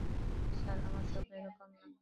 Sir, আমার স্বপ্ন এ-রকম না।